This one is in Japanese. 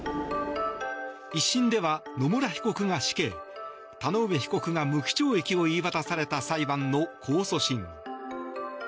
１審では野村被告が死刑田上被告が無期懲役を言い渡された裁判の控訴審。